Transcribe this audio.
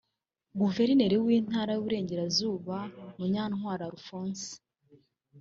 Guverineri w’Intara y’Uburengerazuba Munyantwari Alphonse